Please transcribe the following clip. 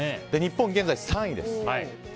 日本、現在３位です。